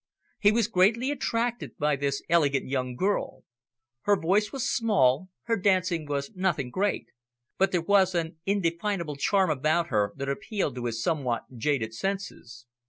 He was greatly attracted by this elegant young girl. Her voice was small, her dancing was nothing great. But there was an indefinable charm about her that appealed to his somewhat jaded senses.